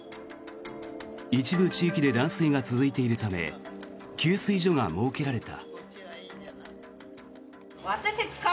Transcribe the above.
一部地域で断水が続いているため給水所が設けられた。